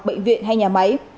bệnh viện hay nhà máy